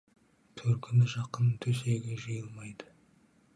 Төркіні жақынның төсегі жиылмайды.